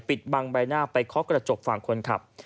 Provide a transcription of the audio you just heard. บังใบหน้าไปเคาะกระจกฝั่งคนขับ